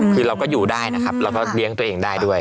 คือเราก็อยู่ได้นะครับเราก็เลี้ยงตัวเองได้ด้วย